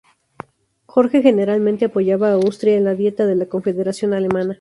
Jorge generalmente apoyaba a Austria en la Dieta de la Confederación Alemana.